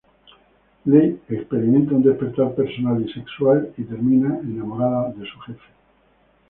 Lee experimenta un despertar personal y sexual y termina enamorada de su jefe.